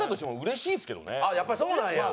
やっぱりそうなんや。